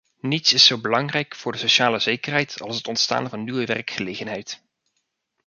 Niets is zo belangrijk voor de sociale zekerheid als het ontstaan van nieuwe werkgelegenheid.